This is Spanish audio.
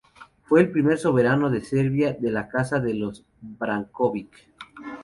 Fue el primer soberano de Serbia de la casa de los Branković.